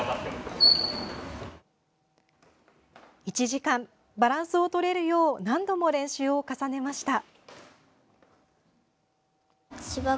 １時間バランスをとれるよう何度も練習を重ねました。